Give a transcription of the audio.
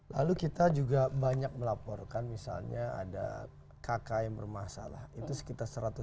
lalu kita juga banyak melaporkan misalnya ada kkm bermasalah itu sekitar seratus kkm bermasalah